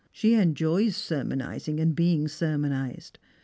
She enjoys sermonising and being sermonised.